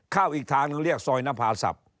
เข้าอีกทางนึงเรียกซอยนภาษับ